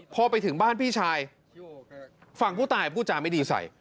พอไปถึงบ้านพี่ชายฝั่งผู้ตายพูดจาไม่ดีใส่